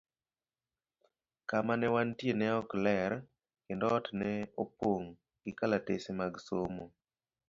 Kama ne wantie ne ok ler, kendo ot ne opong' gi kalatese mag somo.